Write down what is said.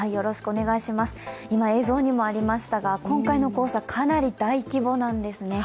今、映像にもありましたが、今回の黄砂かなり大規模なんですね。